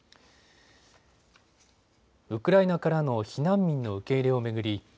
ウクライナからの避難民の受け入れを巡り